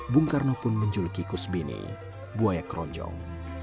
bung karno pun menjuluki kusbini buaya keroncong